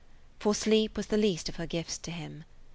For sleep was the least of her gifts to him.